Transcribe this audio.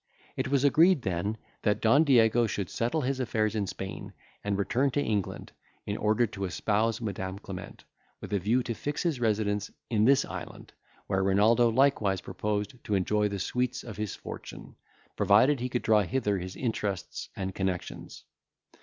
It was agreed then, that Don Diego should settle his affairs in Spain, and return to England, in order to espouse Madam Clement, with a view to fix his residence in this island, where Renaldo likewise proposed to enjoy the sweets of his fortune, provided he could draw hither his interests and connexions.